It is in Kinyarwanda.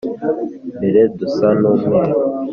imbere dusa n’umweru